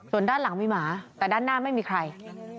ส่วนด้านหลังมีหมาแต่ด้านหน้าไม่มีใคร